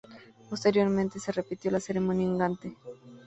Posteriormente se repitió la ceremonia en Gante.